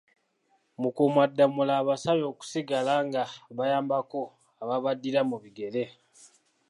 Mukuumaddamula abasabye okusigala nga bayambako abaabaddira mu bigere.